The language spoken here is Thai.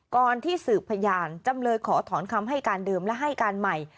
ที่สืบพยานจำเลยขอถอนคำให้การเดิมและให้การใหม่